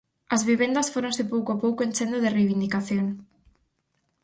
As vivendas fóronse pouco a pouco enchendo de reivindicación.